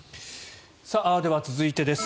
では、続いてです。